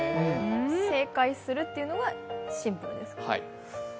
正解するっていうのがシンプルですか？